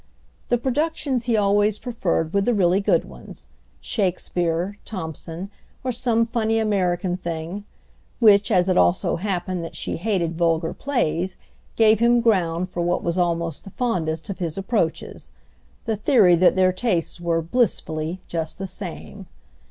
The productions he always preferred were the really good ones—Shakespeare, Thompson or some funny American thing; which, as it also happened that she hated vulgar plays, gave him ground for what was almost the fondest of his approaches, the theory that their tastes were, blissfully, just the same.